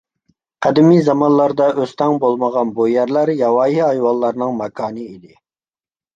قەدىمىي زامانلاردا ئۆستەڭ بولمىغان بۇ يەرلەر ياۋايى ھايۋانلارنىڭ ماكانى ئىدى.